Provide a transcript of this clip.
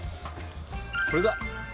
これだ！